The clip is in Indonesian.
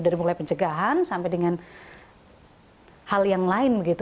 dari mulai pencegahan sampai dengan hal yang lain begitu